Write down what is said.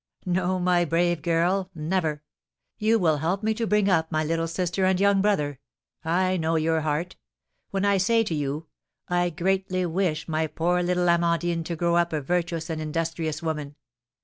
"No, my brave girl never! You will help me to bring up my little sister and young brother. I know your heart. When I say to you, 'I greatly wish my poor little Amandine to grow up a virtuous and industrious woman.